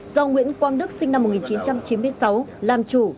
do nguyễn quang đức sinh năm một nghìn chín trăm chín mươi sáu làm chủ